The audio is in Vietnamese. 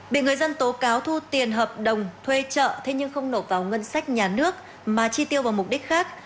bị người dân tố cáo thu tiền hợp đồng thuê trợ thế nhưng không nộp vào ngân sách nhà nước mà chi tiêu vào mục đích khác